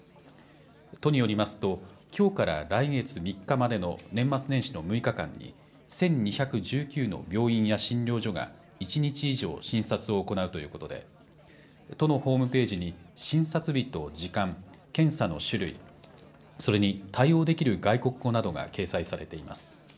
都によりますと、きょうから来月３日までの年末年始の６日間に、１２１９の病院や診療所が１日以上診察を行うということで、都のホームページに診察日と時間、検査の種類、それに対応できる外国語などが掲載されています。